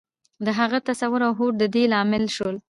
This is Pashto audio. د هغه تصور او هوډ د دې لامل شول.